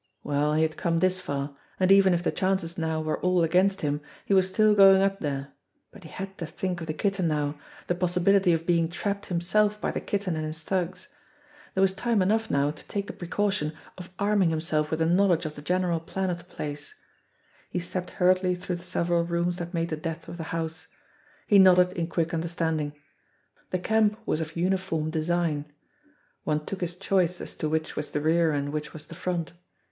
Well, he had come this far, and even if the chances now were all against him, he was still going up there, but he had to think of the Kitten now the possibility of being trapped himself by the Kitten and his thugs. There was time enough now to take \;he precaution of arming himself with a knowledge of the general plan of the place. He stepped hurriedly through the several rooms that made the depth of the house. He nodded in quick understanding. The "camp" was of uniform de sign. One took his choice as to which was the rear and which was the front.